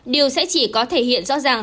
điều sẽ chỉ có thể hiện rõ ràng